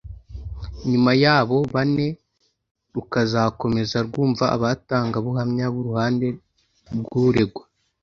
nyuma y’abo bane rukazakomeza rwumva abatangabuhamya b’uruhande rw’uregwa